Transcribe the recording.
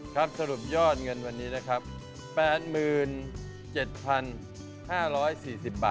ครับสรุปยอดเงินวันนี้นะครับ๘๗๕๔๐บาทครับ